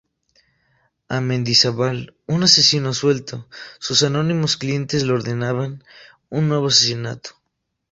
A Mendizábal, un asesino a sueldo, sus anónimos clientes le ordenan un nuevo asesinato.